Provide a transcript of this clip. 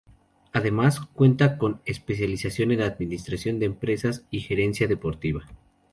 Además, cuenta con especialización en Administración de Empresas y Gerencia Deportiva.